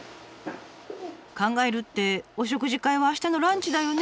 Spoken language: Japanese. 「考える」ってお食事会は明日のランチだよね？